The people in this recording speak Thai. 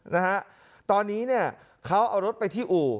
นะฮะตอนนี้เนี่ยเขาเอารถไปที่อู่